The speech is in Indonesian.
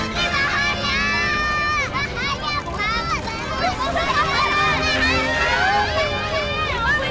kenapa diri saya tidak ditangani